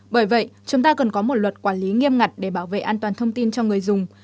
bởi vậy chúng ta cần có một luật quản lý nghiêm ngặt để bảo vệ an toàn thông tin cho người dùng